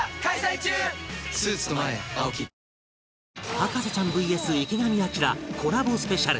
『博士ちゃん ＶＳ 池上彰』コラボスペシャル